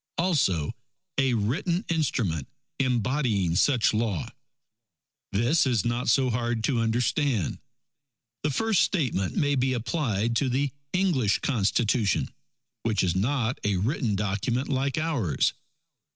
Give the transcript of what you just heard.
"Also a written instrument embodying such law." This is not so hard to understand: The first statement may be applied to the English Constitution, which is not a written Document like ours.